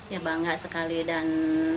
ya bangga sekali dan